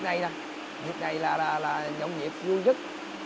nhiệm này là dòng nhiệm vui nhất